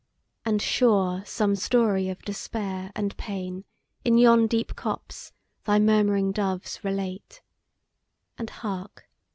And sure some story of despair and pain, In yon deep copse, thy murm'ring doves relate; And, Hark!